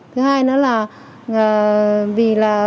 thứ hai nữa là vì là